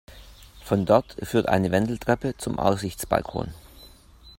Von dort führt eine Wendeltreppe zum Aussichtsbalkon.